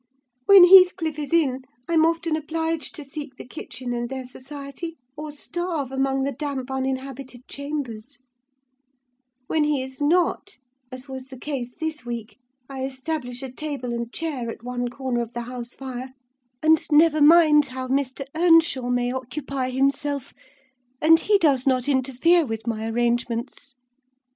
When Heathcliff is in, I'm often obliged to seek the kitchen and their society, or starve among the damp uninhabited chambers; when he is not, as was the case this week, I establish a table and chair at one corner of the house fire, and never mind how Mr. Earnshaw may occupy himself; and he does not interfere with my arrangements.